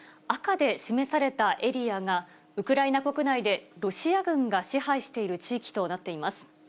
赤で示されたエリアが、ウクライナ国内でロシア軍が支配している地域となっています。